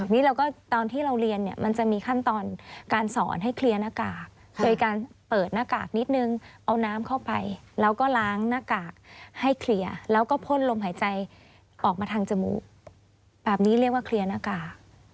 นี่เราก็ตอนที่เราเรียนเนี่ยมันจะมีขั้นตอนการสอนให้เคลียร์หน้ากากโดยการเปิดหน้ากากนิดนึงเอาน้ำเข้าไปแล้วก็ล้างหน้ากากให้เคลียร์แล้วก็พ่นลมหายใจออกมาทางจมูกแบบนี้เรียกว่าเคลียร์หน้ากาก